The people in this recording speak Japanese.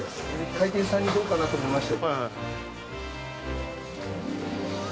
回転さんにどうかなと思いまして。